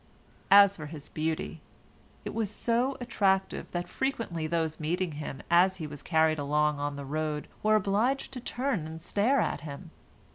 As for his beauty, it was so attractive that frequently those meeting him as he was carried along on the road were obliged to turn and stare at him.